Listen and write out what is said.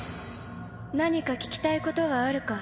何か聞きたいことはあるか？